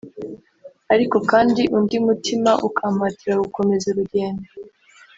ariko kandi undi mutima ukampatira gukomeza urugendo